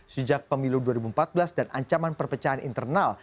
sejak pemilu dua ribu empat belas dan ancaman perpecahan internal